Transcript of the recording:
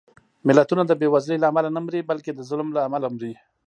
ملتونه د بېوزلۍ له امله نه مري، بلکې د ظلم له امله مري